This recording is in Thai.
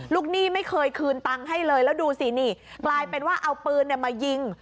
หนี้ไม่เคยคืนตังค์ให้เลยแล้วดูสินี่กลายเป็นว่าเอาปืนมายิง